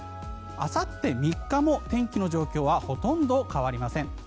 あさって３日も天気の状況はほとんど変わりません。